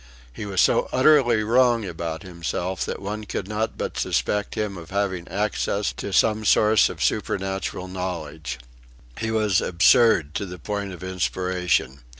He was so utterly wrong about himself that one could not but suspect him of having access to some source of supernatural knowledge. He was absurd to the point of inspiration.